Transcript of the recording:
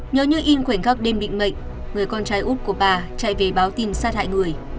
nhớ như in khoảnh khắc đêm định mệnh người con trai út của bà chạy về báo tin sát hại người